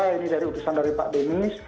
ini dari utusan dari pak demis